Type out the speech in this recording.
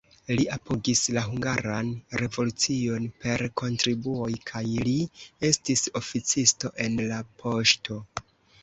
Li apogis la hungaran revolucion per kontribuoj kaj li estis oficisto en la poŝto.